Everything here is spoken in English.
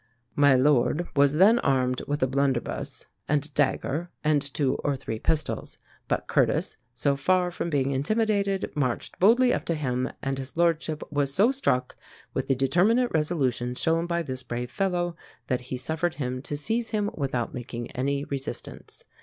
'My lord' was then armed with a blunderbuss and a dagger and two or three pistols; but Curtis, so far from being intimidated, marched boldly up to him, and his lordship was so struck with the determinate resolution shown by this brave fellow, that he suffered him to seize him without making any resistance.